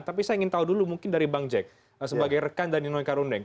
tapi saya ingin tahu dulu mungkin dari bang jack sebagai rekan dari ninoy karundeng